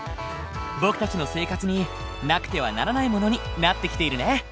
僕たちの生活になくてはならないものになってきているね。